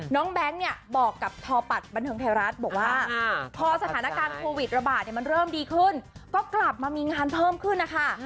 น้องแบ๊งกบอกกับทอปัตรบันเทิงไทยรัฐพอสถานการณ์โควิดระบาดเริ่มดีขึ้นก็กลับมามีงานเพิ่มขึ้นนะคะ